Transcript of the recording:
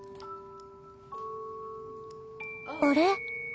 あれ？